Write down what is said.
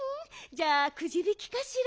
じゃあくじびきかしら？